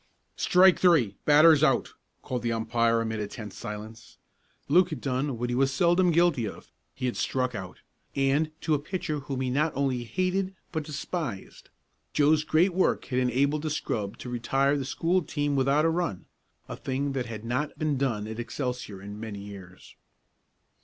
"Strike three batter's out!" called the umpire amid a tense silence. Luke had done what he was seldom guilty of; he had struck out, and to a pitcher whom he not only hated but despised. Joe's great work had enabled the scrub to retire the school team without a run a thing that had not been done at Excelsior in many years.